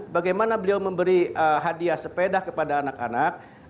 bagaimana beliau memberi hadiah sepeda kepada anak anak